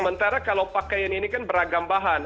sementara kalau pakaian ini kan beragam bahan